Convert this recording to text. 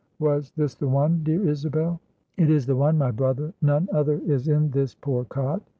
"Was this the one, dear Isabel?" "It is the one, my brother; none other is in this poor cot."